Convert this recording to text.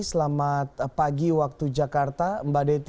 selamat pagi waktu jakarta mbak dety